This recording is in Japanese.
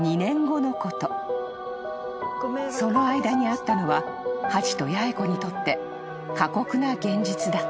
［その間にあったのはハチと八重子にとって過酷な現実だった］